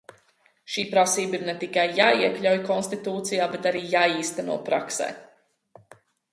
Šī prasība ir ne tikai jāiekļauj konstitūcijā, bet arī jāīsteno praksē.